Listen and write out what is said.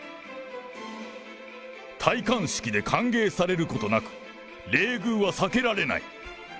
戴冠式で歓迎されることなく、冷遇は避けられない。